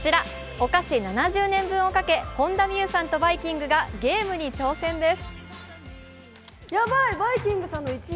お菓子７０年分をかけ、本田望結さんとバイきんぐがゲームに挑戦です。